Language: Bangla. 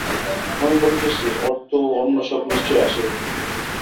আমি বলিতেছি, অর্থ ও অন্য সব নিশ্চয় আসিবে।